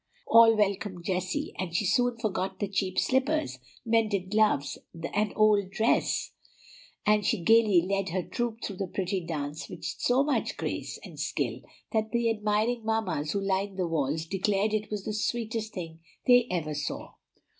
All welcomed Jessie, and she soon forgot the cheap slippers, mended gloves, and old dress, as she gayly led her troop through the pretty dance with so much grace and skill that the admiring mammas who lined the walls declared it was the sweetest thing they ever saw.